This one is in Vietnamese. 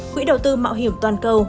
quỹ đầu tư mạo hiểm toàn cầu